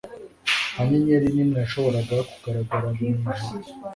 Nta nyenyeri nimwe yashoboraga kugaragara mwijuru.